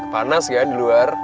panas kan di luar